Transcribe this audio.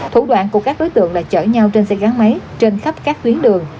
thủ đoạn của các đối tượng là chở nhau trên xe gắn máy trên khắp các tuyến đường